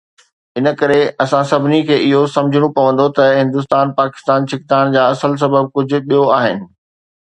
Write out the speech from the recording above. ان ڪري، اسان سڀني کي اهو سمجهڻو پوندو ته هندستان-پاڪستان ڇڪتاڻ جا اصل سبب ڪجهه ٻيو آهن.